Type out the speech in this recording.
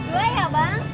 dua ya bang